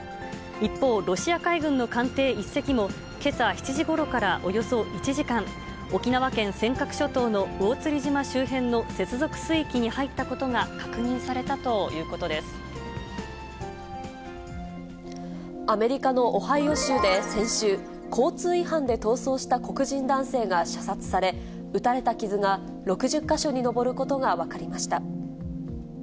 一方、ロシア海軍の艦艇１隻も、けさ７時ごろからおよそ１時間、沖縄県尖閣諸島の魚釣島周辺の接続水域に入ったことが確認されたアメリカのオハイオ州で先週、交通違反で逃走した黒人男性が射殺され、撃たれた傷が６０か所に上ることが分かりました。